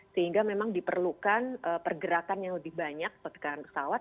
sehingga memang diperlukan pergerakan yang lebih banyak sekarang pesawat